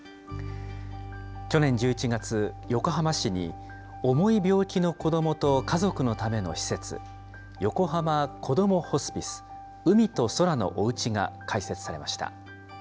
去年１１月、横浜市に重い病気の子どもと家族のための施設、横浜こどもホスピスうみとそらのおうちが開設されました。